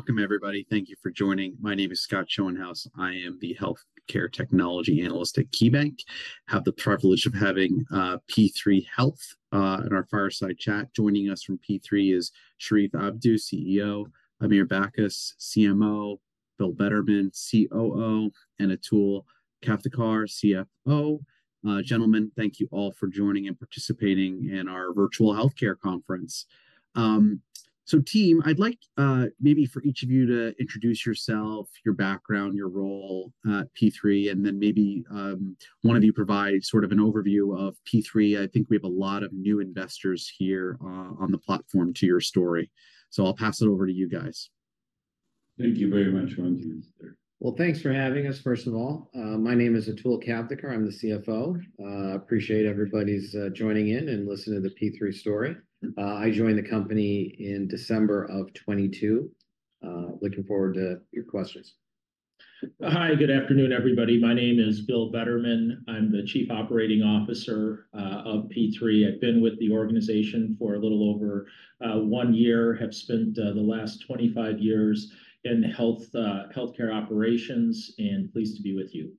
Welcome, everybody. Thank you for joining. My name is Scott Schoenhaus. I am the Healthcare Technology Analyst at KeyBanc. I have the privilege of having P3 Health in our fireside chat. Joining us from P3 is Sherif Abdou, CEO; Amir Bacchus, CMO; Bill Bettermann, COO; and Atul Kavthekar, CFO. Gentlemen, thank you all for joining and participating in our virtual healthcare conference. So team, I'd like maybe for each of you to introduce yourself, your background, your role at P3, and then maybe one of you provide sort of an overview of P3. I think we have a lot of new investors here on the platform to your story, so I'll pass it over to you guys. Thank you very much, one of you, sir. Well, thanks for having us, first of all. My name is Atul Kavthekar. I'm the CFO. Appreciate everybody's joining in and listening to the P3 story. I joined the company in December of 2022, looking forward to your questions. Hi, good afternoon, everybody. My name is Bill Bettermann. I'm the Chief Operating Officer of P3. I've been with the organization for a little over one year, have spent the last 25 years in healthcare operations, and pleased to be with you.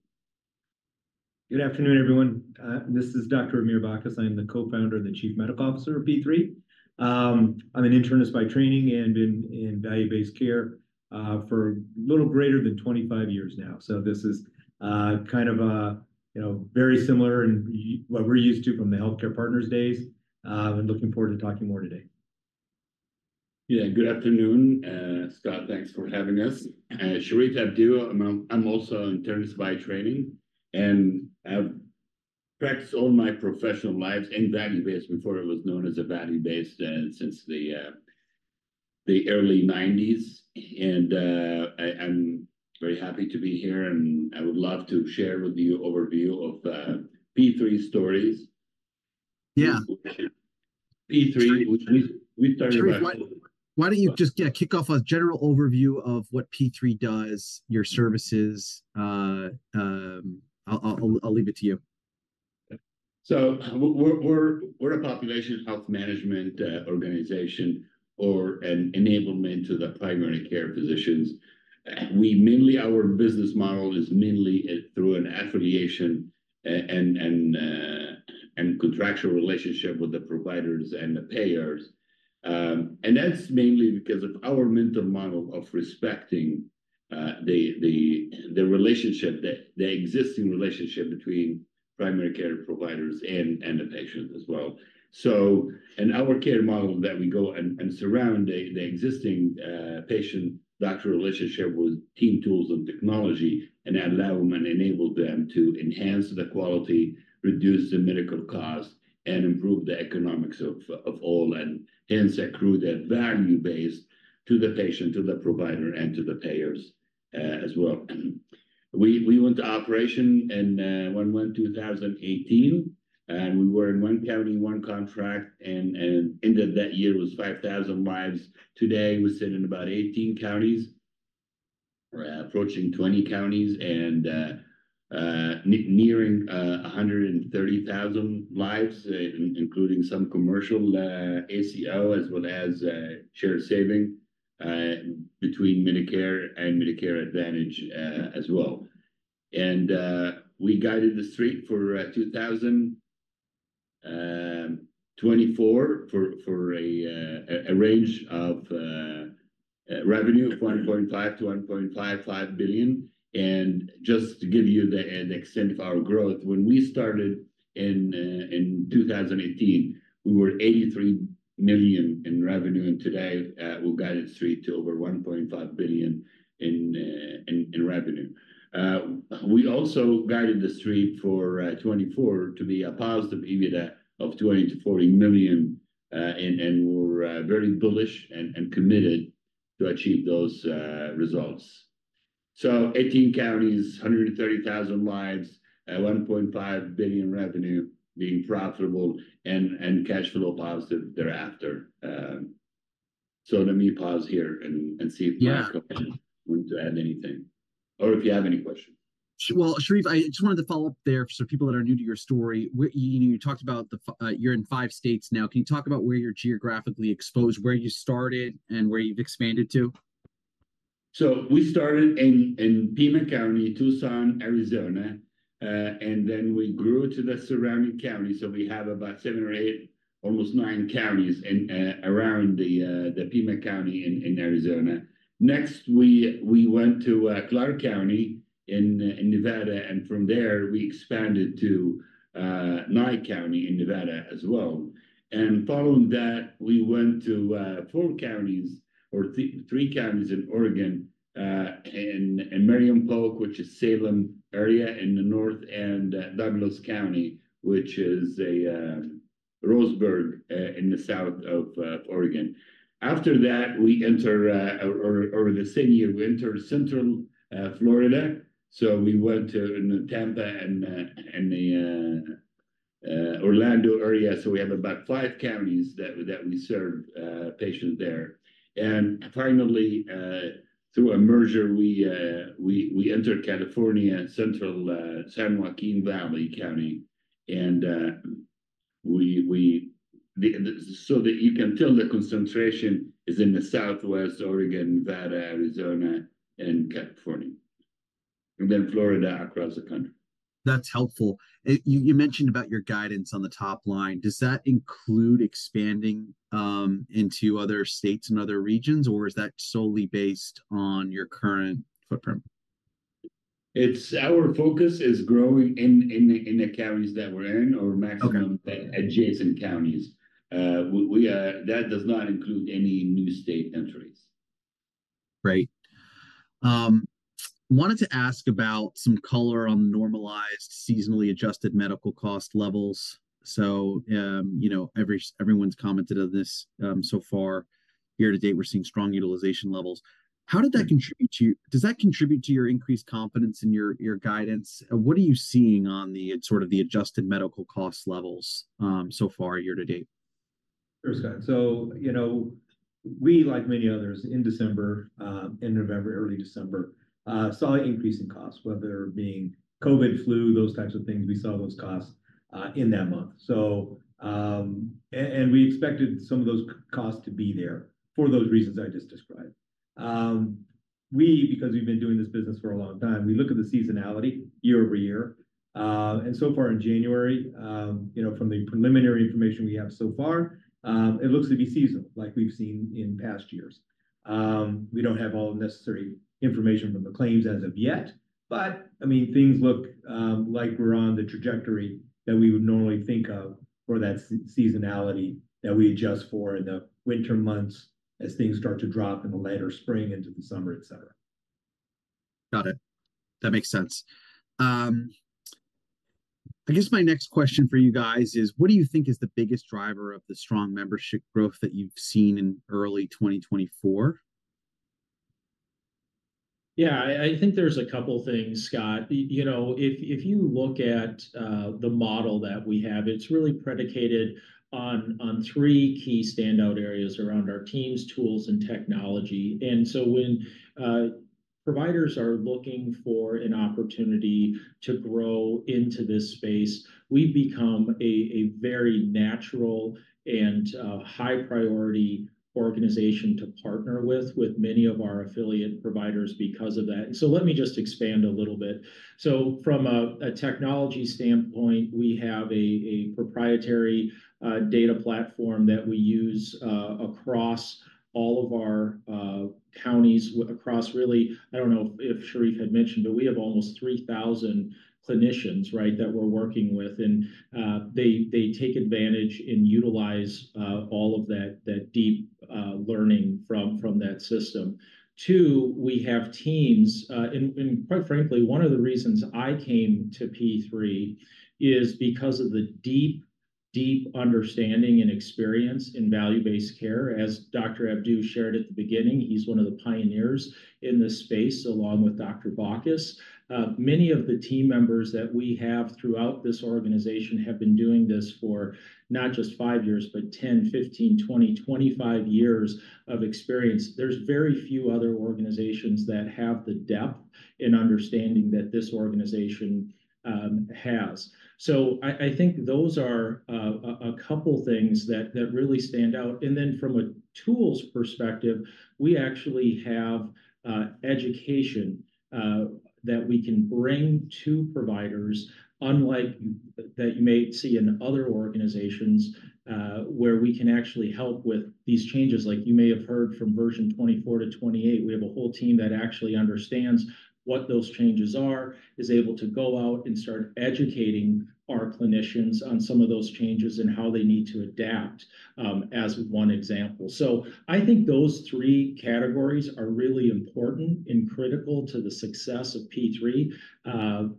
Good afternoon, everyone. This is Dr. Amir Bacchus. I'm the co-founder and the Chief Medical Officer of P3. I'm an internist by training and been in value-based care, for a little greater than 25 years now. So this is, kind of a, you know, very similar to what we're used to from the HealthCare Partners days, and looking forward to talking more today. Yeah, good afternoon. Scott, thanks for having us. Sherif Abdou, I'm a I'm also an internist by training, and I've practiced all my professional lives in value-based before it was known as a value-based, since the early 1990s. I'm very happy to be here, and I would love to share with you an overview of P3's stories. Yeah. P3, which we started by. Sherif, why don't you just, yeah, kick off a general overview of what P3 does, your services. I'll leave it to you. So we're a population health management organization or an enablement to the primary care physicians. We mainly our business model is mainly through an affiliation and contractual relationship with the providers and the payers. And that's mainly because of our mental model of respecting the relationship, the existing relationship between primary care providers and the patients as well. So our care model that we go and surround the existing patient-doctor relationship with team tools and technology, and that allow them and enable them to enhance the quality, reduce the medical cost, and improve the economics of all, and hence accrue that value-based to the patient, to the provider, and to the payers, as well. We went into operation, and when we went in 2018, and we were in one county, one contract, and ended that year with 5,000 lives. Today we sit in about 18 counties. We're approaching 20 counties and nearing 130,000 lives, including some commercial, ACO, as well as shared savings, between Medicare and Medicare Advantage, as well. We guided the Street for 2024 for a range of revenue of $1.5 billion-$1.55 billion. Just to give you the extent of our growth, when we started in 2018, we were $83 million in revenue, and today we've gotten the Street to over $1.5 billion in revenue. We also guided the Street for 2024 to be a positive EBITDA of $20 million-$40 million, and we're very bullish and committed to achieve those results. So 18 counties, 130,000 lives, $1.5 billion revenue being profitable and cash flow positive thereafter. So let me pause here and see if. Yeah. My colleagues want to add anything or if you have any questions? Well, Sherif, I just wanted to follow up there for some people that are new to your story. We're, you know, you talked about the fact you're in five states now. Can you talk about where you're geographically exposed, where you started, and where you've expanded to? So we started in Pima County, Tucson, Arizona, and then we grew to the surrounding counties. So we have about seven or eight, almost nine counties in around the Pima County in Arizona. Next, we went to Clark County in Nevada, and from there we expanded to Nye County in Nevada as well. And following that, we went to four counties or three counties in Oregon, in Marion, Polk, which is Salem area in the north, and Douglas County, which is Roseburg, in the south of Oregon. After that, we enter, or over the same year, we enter Central Florida. So we went to Tampa and the Orlando area. So we have about five counties that we serve patients there. And finally, through a merger, we enter California, Central San Joaquin Valley County. And, so that you can tell the concentration is in the southwest: Oregon, Nevada, Arizona, and California. And then Florida across the country. That's helpful. You you mentioned about your guidance on the top line. Does that include expanding into other states and other regions, or is that solely based on your current footprint? It's our focus is growing in the counties that we're in, or maximizing to adjacent counties. That does not include any new state entries. Great. Wanted to ask about some color on the normalized, seasonally adjusted medical cost levels. So, you know, everyone's commented on this. So far, year to date, we're seeing strong utilization levels. How did that contribute to your does that contribute to your increased confidence in your your guidance? What are you seeing on the sort of the adjusted medical cost levels, so far year to date? Sure, Scott. So, you know, we, like many others, in December, in November, early December, saw an increase in costs, whether it being COVID, flu, those types of things. We saw those costs in that month. So, and we expected some of those costs to be there for those reasons I just described. We, because we've been doing this business for a long time, we look at the seasonality year-over-year. And so far in January, you know, from the preliminary information we have so far, it looks to be seasonal, like we've seen in past years. We don't have all the necessary information from the claims as of yet. I mean, things look like we're on the trajectory that we would normally think of for that seasonality that we adjust for in the winter months as things start to drop in the latter spring into the summer, etc. Got it. That makes sense. I guess my next question for you guys is, what do you think is the biggest driver of the strong membership growth that you've seen in early 2024? Yeah, I think there's a couple of things, Scott. You know, if you look at the model that we have, it's really predicated on three key standout areas around our teams, tools, and technology. And so when providers are looking for an opportunity to grow into this space, we've become a very natural and high-priority organization to partner with many of our affiliate providers because of that. And so let me just expand a little bit. So from a technology standpoint, we have a proprietary data platform that we use across all of our counties, across really. I don't know if Sherif had mentioned, but we have almost 3,000 clinicians, right, that we're working with. And they take advantage and utilize all of that deep learning from that system. Two, we have teams. Quite frankly, one of the reasons I came to P3 is because of the deep, deep understanding and experience in value-based care. As Dr. Abdou shared at the beginning, he's one of the pioneers in this space, along with Dr. Bacchus. Many of the team members that we have throughout this organization have been doing this for not just five years, but 10, 15, 20, 25 years of experience. There's very few other organizations that have the depth and understanding that this organization has. So I think those are a couple of things that really stand out. And then from a tools perspective, we actually have education that we can bring to providers, unlike that you may see in other organizations, where we can actually help with these changes. Like you may have heard from version 24-28, we have a whole team that actually understands what those changes are, is able to go out and start educating our clinicians on some of those changes and how they need to adapt, as one example. So I think those three categories are really important and critical to the success of P3,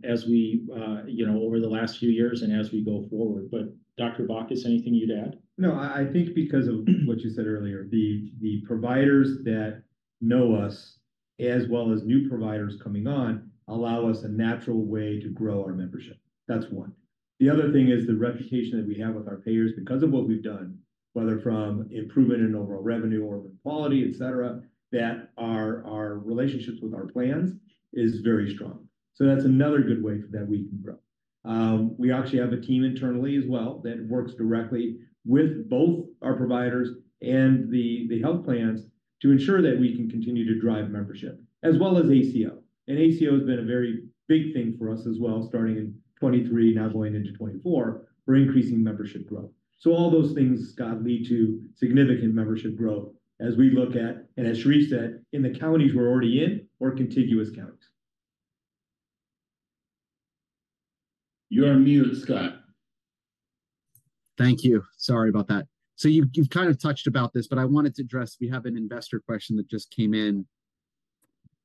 as we, you know, over the last few years and as we go forward. But Dr. Bacchus, anything you'd add? No, I think because of what you said earlier, the providers that know us, as well as new providers coming on, allow us a natural way to grow our membership. That's one. The other thing is the reputation that we have with our payers because of what we've done, whether from improvement in overall revenue or in quality, etc., that our relationships with our plans is very strong. So that's another good way for that we can grow. We actually have a team internally as well that works directly with both our providers and the health plans to ensure that we can continue to drive membership, as well as ACO. ACO has been a very big thing for us as well, starting in 2023, now going into 2024, for increasing membership growth. All those things, Scott, lead to significant membership growth as we look at, and as Sherif said, in the counties we're already in or contiguous counties. You're muted, Scott. Thank you. Sorry about that. So you've kind of touched on this, but I wanted to address. We have an investor question that just came in.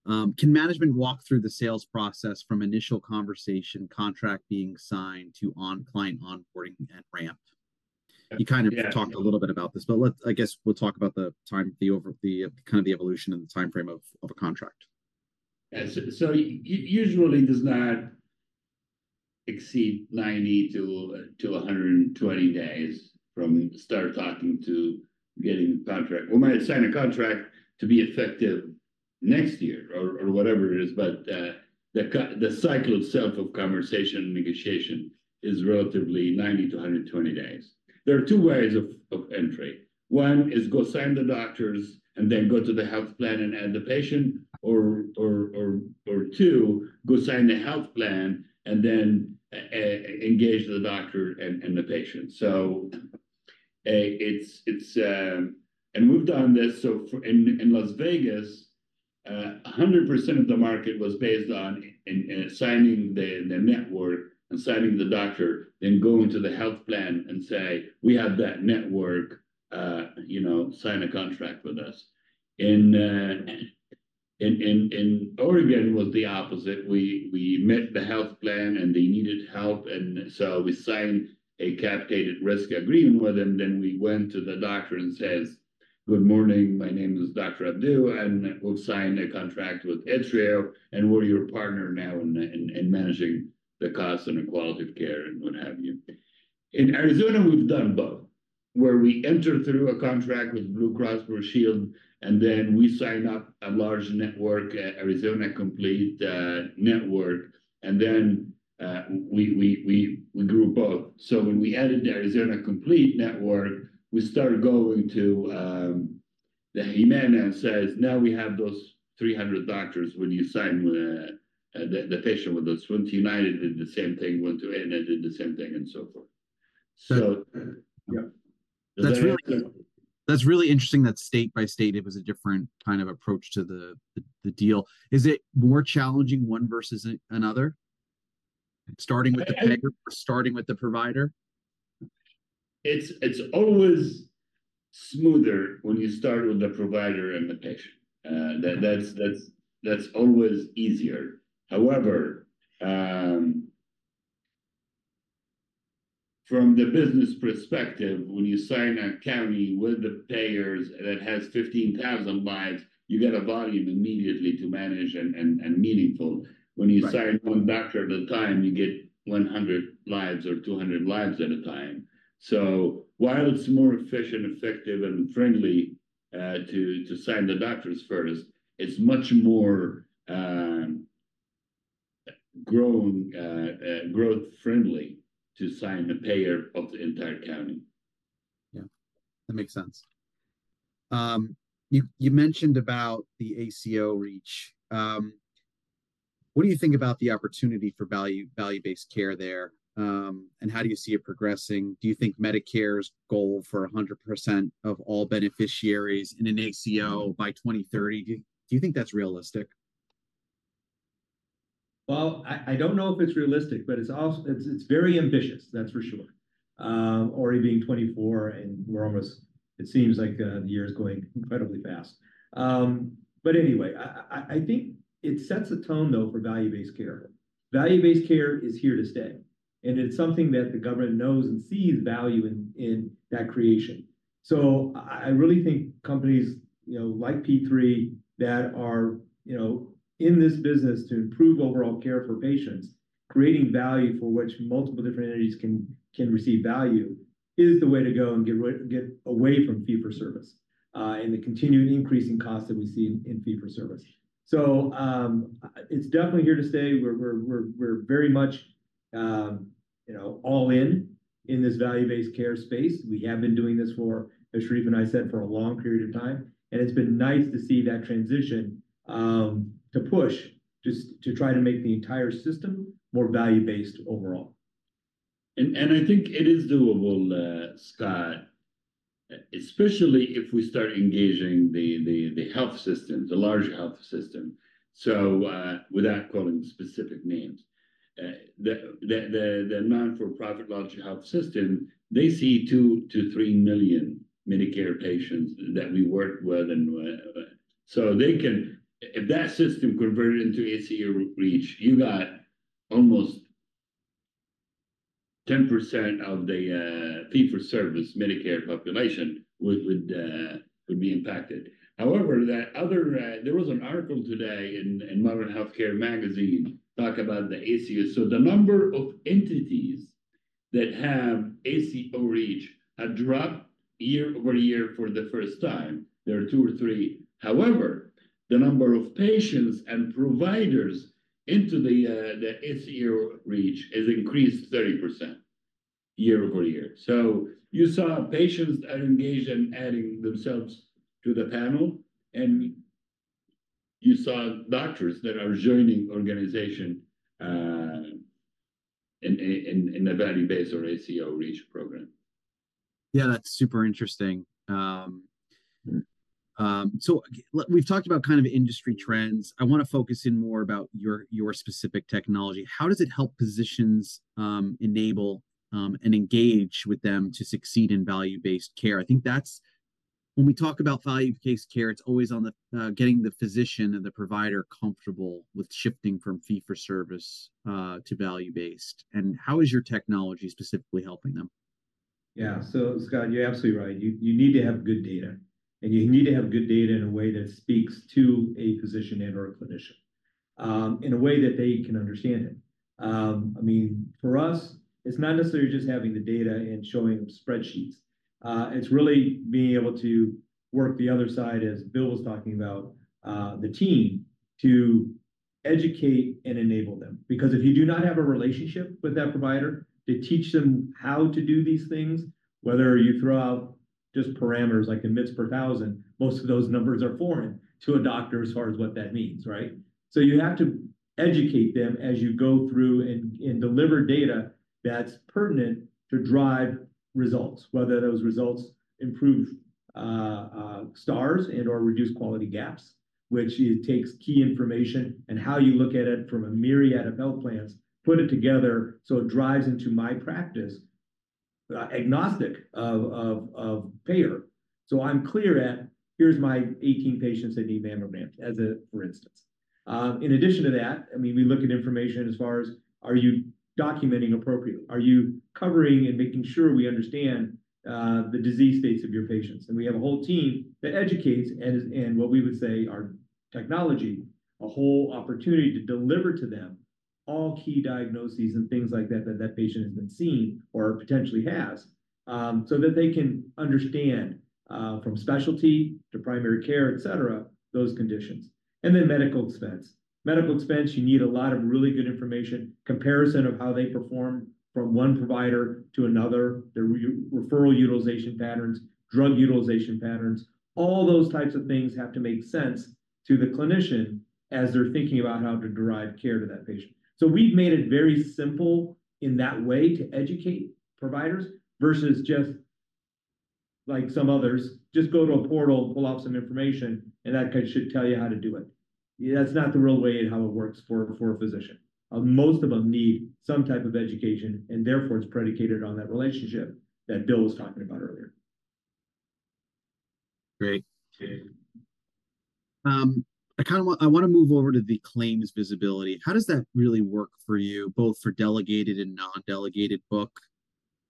Can management walk through the sales process from initial conversation, contract being signed, to client onboarding and ramp? You kind of talked a little bit about this, but let's, I guess we'll talk about the timeline over the kind of the evolution and the timeframe of a contract. Yeah. So it usually does not exceed 90-120 days from start talking to getting the contract. We might sign a contract to be effective next year or whatever it is. But, the cycle itself of conversation and negotiation is relatively 90-120 days. There are two ways of entry. One is go sign the doctors, and then go to the health plan and add the patient, or two, go sign the health plan, and then engage the doctor and the patient. So, it's, and we've done this. So for in Las Vegas, 100% of the market was based on in signing the network and signing the doctor, then going to the health plan and say, "We have that network. you know, sign a contract with us." In Oregon was the opposite. We met the health plan, and they needed help. And so we signed a capitated risk agreement with them. Then we went to the doctor and says, "Good morning. My name is Dr. Abdou, and we'll sign a contract with ATRIO, and we're your partner now in managing the costs and the quality of care," and what have you. In Arizona, we've done both, where we enter through a contract with Blue Cross Blue Shield, and then we sign up a large network, Arizona Complete network. And then, we grew both. So when we added the Arizona Complete network, we started going to the physicians and says, "Now we have those 300 doctors. When you sign the patient with us," went to United, did the same thing, went to Aetna, did the same thing, and so forth. So. Yeah. That's really interesting that state by state, it was a different kind of approach to the deal. Is it more challenging one versus another, starting with the payer or starting with the provider? It's always smoother when you start with the provider and the patient. That's always easier. However, from the business perspective, when you sign a county with the payers that has 15,000 lives, you get a volume immediately to manage and meaningful. When you sign one doctor at a time, you get 100 lives or 200 lives at a time. So while it's more efficient, effective, and friendly, to sign the doctors first, it's much more growth friendly to sign the payer of the entire county. Yeah. That makes sense. You mentioned about the ACO REACH. What do you think about the opportunity for value-based care there? And how do you see it progressing? Do you think Medicare's goal for 100% of all beneficiaries in an ACO by 2030? Do you think that's realistic? Well, I don't know if it's realistic, but it's also very ambitious, that's for sure. 2024, and we're almost—it seems like the year is going incredibly fast. But anyway, I think it sets the tone, though, for value-based care. Value-based care is here to stay, and it's something that the government knows and sees value in that creation. So, I really think companies, you know, like P3 that are, you know, in this business to improve overall care for patients, creating value for which multiple different entities can receive value, is the way to go and get away from fee-for-service, and the continuing increasing costs that we see in fee-for-service. So, it's definitely here to stay. We're very much, you know, all in this value-based care space. We have been doing this for, as Sherif and I said, for a long period of time. It's been nice to see that transition, to push just to try to make the entire system more value-based overall. And I think it is doable, Scott, especially if we start engaging the health system, the large health system. So, without calling specific names, the not-for-profit large health system, they see 2 million-3 million Medicare patients that we work with. And so they can if that system converted into ACO REACH, you got almost 10% of the fee-for-service Medicare population would be impacted. However, there was an article today in Modern Healthcare talk about the ACO. So the number of entities that have ACO REACH have dropped year-over-year for the first time. There are two or three. However, the number of patients and providers into the ACO REACH has increased 30% year-over-year. So you saw patients that are engaged in adding themselves to the panel, and you saw doctors that are joining organization, in a value-based or ACO REACH program. Yeah, that's super interesting. We've talked about kind of industry trends. I want to focus in more about your specific technology. How does it help physicians, enable, and engage with them to succeed in Value-Based Care? I think that's when we talk about Value-Based Care, it's always on the getting the physician and the provider comfortable with shifting from fee-for-service to Value-Based Care. How is your technology specifically helping them? Yeah. So, Scott, you're absolutely right. You you need to have good data, and you need to have good data in a way that speaks to a physician and/or a clinician, in a way that they can understand it. I mean, for us, it's not necessarily just having the data and showing spreadsheets. It's really being able to work the other side, as Bill was talking about, the team to educate and enable them. Because if you do not have a relationship with that provider to teach them how to do these things, whether you throw out just parameters like the admits per 1,000, most of those numbers are foreign to a doctor as far as what that means, right? So you have to educate them as you go through and deliver data that's pertinent to drive results, whether those results improve stars and/or reduce quality gaps, which it takes key information and how you look at it from a myriad of health plans, put it together so it drives into my practice, agnostic of payer. So I'm clear at, "Here's my 18 patients that need mammograms," as, for instance. In addition to that, I mean, we look at information as far as, are you documenting appropriately? Are you covering and making sure we understand the disease states of your patients? And we have a whole team that educates and is and what we would say our technology, a whole opportunity to deliver to them all key diagnoses and things like that that that patient has been seen or potentially has, so that they can understand, from specialty to primary care, etc., those conditions. And then medical expense. Medical expense, you need a lot of really good information, comparison of how they perform from one provider to another, their referral utilization patterns, drug utilization patterns. All those types of things have to make sense to the clinician as they're thinking about how to derive care to that patient. So we've made it very simple in that way to educate providers versus just like some others, just go to a portal, pull up some information, and that guy should tell you how to do it. That's not the real way and how it works for a physician. Most of them need some type of education, and therefore it's predicated on that relationship that Bill was talking about earlier. Great. I want to move over to the claims visibility. How does that really work for you, both for delegated and non-delegated book?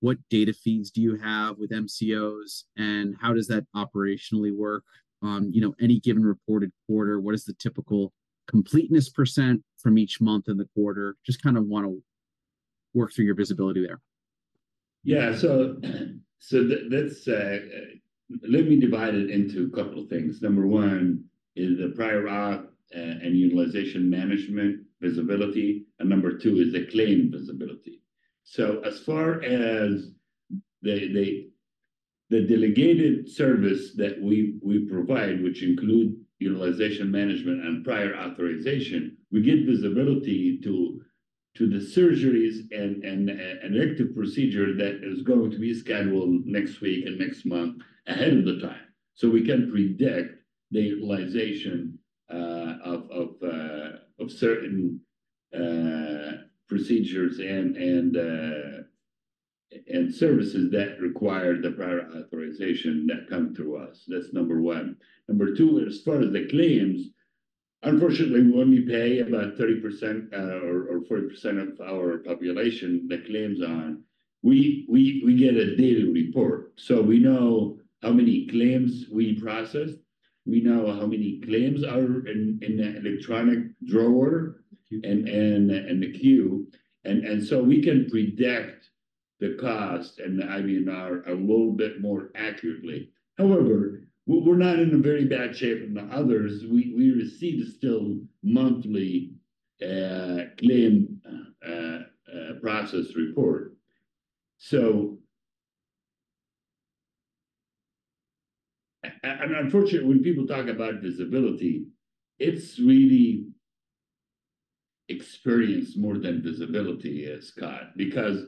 What data feeds do you have with MCOs, and how does that operationally work on, you know, any given reported quarter? What is the typical completeness percent from each month in the quarter? Just kind of want to work through your visibility there. Yeah. So let's say let me divide it into a couple of things. Number one is the prior auth and utilization management visibility. And Number two is the claim visibility. So as far as the delegated service that we provide, which include utilization management and prior authorization, we get visibility to the surgeries and an elective procedure that is going to be scheduled next week and next month ahead of time. So we can predict the utilization of certain procedures and services that require the prior authorization that come through us. That's Number one. Number two, as far as the claims, unfortunately, when we pay about 30% or 40% of our population, the claims on, we get a daily report. So we know how many claims we processed. We know how many claims are in the electronic drawer and the queue. So we can predict the cost and the IBNR a little bit more accurately. However, we're not in a very bad shape than the others. We still receive monthly claim process report. So, unfortunately, when people talk about visibility, it's really experience more than visibility, Scott, because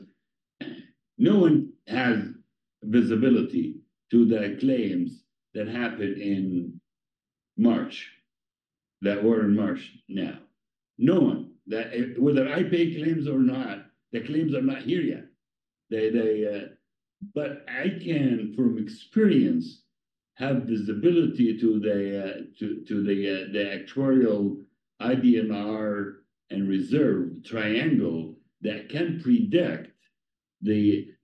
no one has visibility to the claims that happened in March that were in March now. No one. That whether I pay claims or not, the claims are not here yet. But I can, from experience, have visibility to the actuarial IBNR and reserve triangle that can predict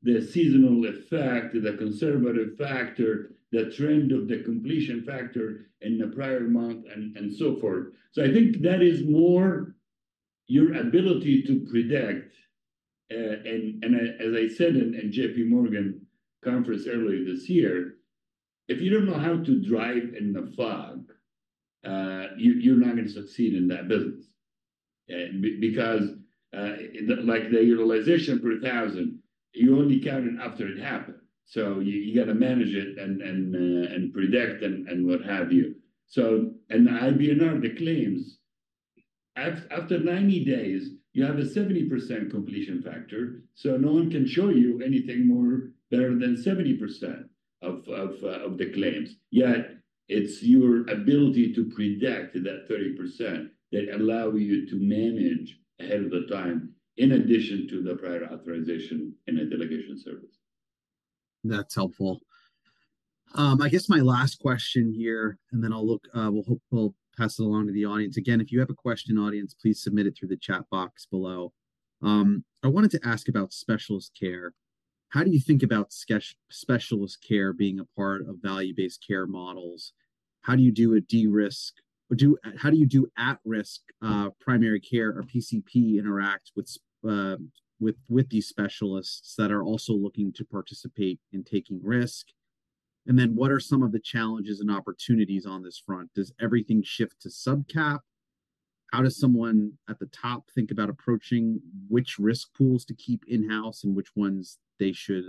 the seasonal effect, the conservative factor, the trend of the completion factor in the prior month, and so forth. So I think that is more your ability to predict. And as I said in the JPMorgan conference earlier this year, if you don't know how to drive in the fog, you're not going to succeed in that business. Because like the utilization per 1,000, you only count it after it happened. So you got to manage it and predict and what have you. So the IBNR, the claims, after 90 days, you have a 70% completion factor. So no one can show you anything more better than 70% of the claims. Yet it's your ability to predict that 30% that allow you to manage ahead of the time, in addition to the prior authorization and the delegated services. That's helpful. I guess my last question here, and then we'll pass it along to the audience. Again, if you have a question, audience, please submit it through the chat box below. I wanted to ask about specialist care. How do you think about specialist care being a part of Value-Based Care models? How do you do at-risk primary care or PCP interact with these specialists that are also looking to participate in taking risk? And then what are some of the challenges and opportunities on this front? Does everything shift to subcap? How does someone at the top think about approaching which risk pools to keep in-house and which ones they should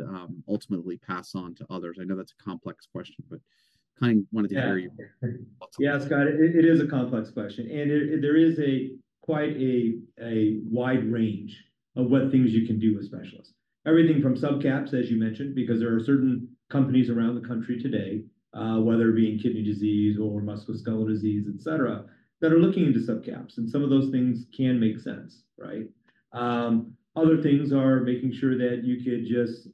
ultimately pass on to others? I know that's a complex question, but kind of wanted to hear you. Yeah, Scott, it is a complex question. And there is quite a wide range of what things you can do with specialists. Everything from subcaps, as you mentioned, because there are certain companies around the country today, whether it be in kidney disease or musculoskeletal disease, etc., that are looking into subcaps. And some of those things can make sense, right? Other things are making sure that you could just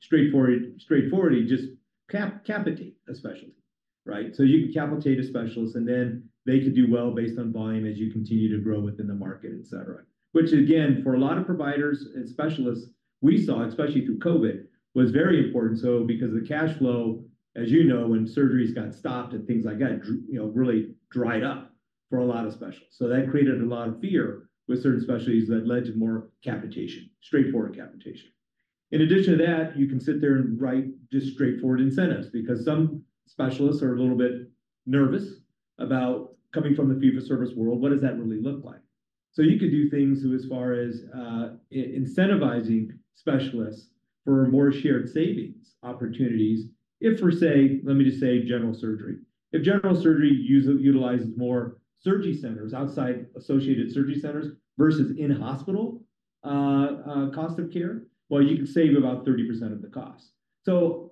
straightforwardly just capitate a specialty, right? So you can capitate a specialist, and then they could do well based on volume as you continue to grow within the market, etc., which again, for a lot of providers and specialists, we saw, especially through COVID, was very important. So because of the cash flow, as you know, when surgeries got stopped and things like that, you know, really dried up for a lot of specialists. That created a lot of fear with certain specialties that led to more capitation, straightforward capitation. In addition to that, you can sit there and write just straightforward incentives because some specialists are a little bit nervous about coming from the fee-for-service world. What does that really look like? You could do things as far as incentivizing specialists for more shared savings opportunities if for, say, let me just say general surgery. If general surgery utilizes more surgery centers outside associated surgery centers versus in-hospital cost of care, well, you could save about 30% of the cost.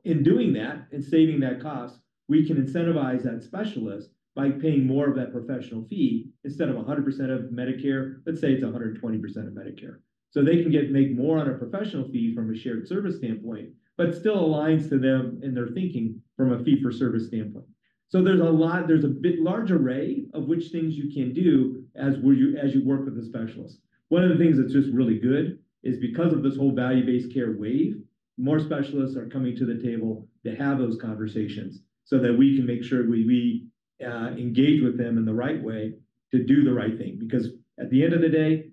In doing that and saving that cost, we can incentivize that specialist by paying more of that professional fee instead of 100% of Medicare. Let's say it's 120% of Medicare. So they can get to make more on a professional fee from a shared service standpoint, but still aligns to them in their thinking from a fee-for-service standpoint. So there's a lot, a bit large array of which things you can do as you work with the specialist. One of the things that's just really good is because of this whole value-based care wave, more specialists are coming to the table to have those conversations so that we can make sure we engage with them in the right way to do the right thing. Because at the end of the day,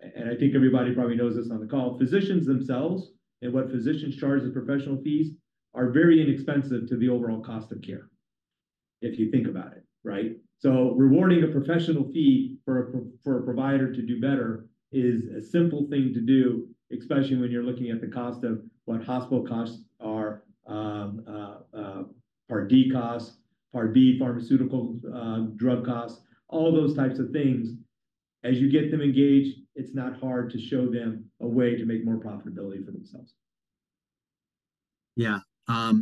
and I think everybody probably knows this on the call, physicians themselves and what physicians charge as professional fees are very inexpensive to the overall cost of care if you think about it, right? So rewarding a professional fee for a provider to do better is a simple thing to do, especially when you're looking at the cost of what hospital costs are, Part D costs, Part B pharmaceutical drug costs, all those types of things. As you get them engaged, it's not hard to show them a way to make more profitability for themselves. Yeah.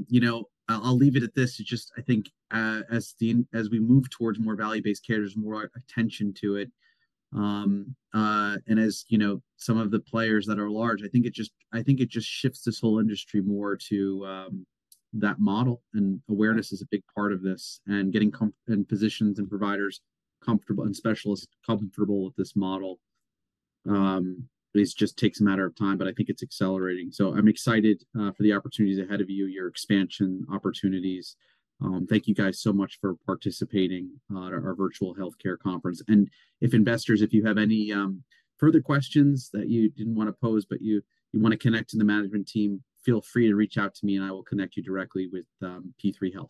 You know, I'll leave it at this. I think as we move towards more value-based care, there's more attention to it. And as you know, some of the players that are large, I think it just shifts this whole industry more to that model. And awareness is a big part of this. And getting physicians and providers comfortable and specialists comfortable with this model at least just takes a matter of time. But I think it's accelerating. So I'm excited for the opportunities ahead of you, your expansion opportunities. Thank you guys so much for participating at our virtual healthcare conference. If investors, if you have any further questions that you didn't want to pose, but you want to connect to the management team, feel free to reach out to me, and I will connect you directly with P3 Health.